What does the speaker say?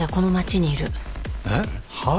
えっ？はっ？